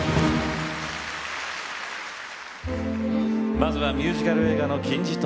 まずはミュージカル映画の金字塔。